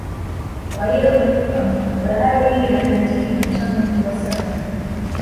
Kwa hiyo bahari hii ya Atlantiki ina mchango mkubwa sana